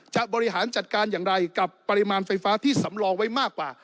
บริหารจัดการอย่างไรกับปริมาณไฟฟ้าที่สำรองไว้มากกว่า